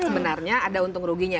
sebenarnya ada untung ruginya